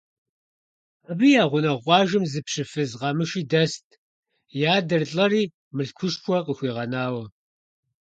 Абы я гъунэгъу къуажэм зы пщы фыз къэмыши дэст, и адэр лӀэри мылъкушхуэ къыхуигъэнауэ.